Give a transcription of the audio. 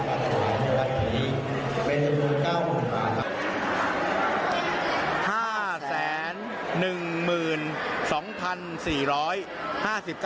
การถ่ายเมื่อวันนี้เป็นอุปกรณ์๙๐๐๐บาทครับ